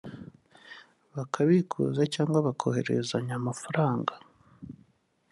bakabikuza cyangwa bakohererezanya amafaranga